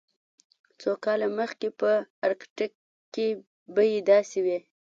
څو کاله مخکې په ارکټیک کې بیې داسې وې